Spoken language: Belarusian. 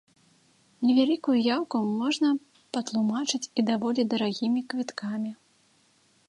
Невялікую яўку можна патлумачыць і даволі дарагімі квіткамі.